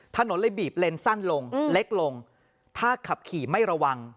ถนนเลยบีบเลนสั้นลงเล็กลงถ้าขับขี่ไม่ระวัง